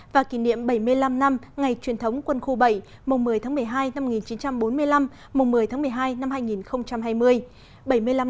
và kỷ niệm bảy mươi năm năm ngày truyền thống quân khu bảy một mươi tháng một mươi hai năm một nghìn chín trăm bốn mươi năm mùng một mươi tháng một mươi hai năm hai nghìn hai mươi